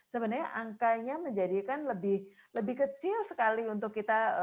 sebenarnya angkanya menjadi kan lebih kecil sekali untuk kita menjaga jarak